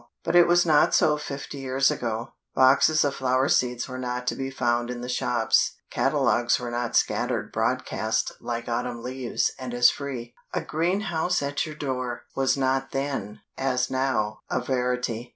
But it was not so fifty years ago; boxes of flower seeds were not to be found in the shops; catalogues were not scattered broadcast like autumn leaves and as free; "a greenhouse at your door," was not then, as now, a verity.